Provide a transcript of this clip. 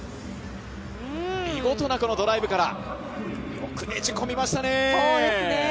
見事なドライブから、よくねじ込みましたね。